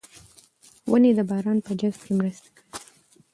ونې د باران په جذب کې مرسته کوي.